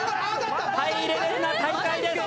ハイレベルな大会です。